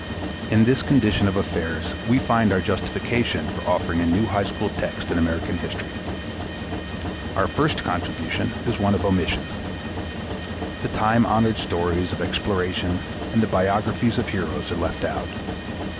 In this condition of affairs we find our justification for offering a new high school text in American history. Our first contribution is one of omission. The time honored stories of exploration and the biographies of heroes are left out.